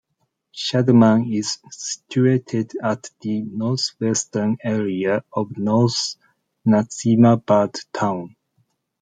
Shadman is situated at the northwestern area of North Nazimabad Town.